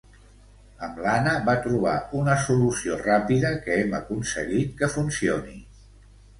Amb l'Anna va trobar una solució ràpida que hem aconseguit que funcioni.